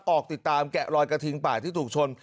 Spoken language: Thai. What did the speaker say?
ออกติดตามแกะรอยกระทิงป่าที่ถูกชน